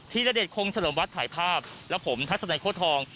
ที่ระเด็ดโครงฉลมวัดถ่ายภาพและผมทัศนาโค้ดทอง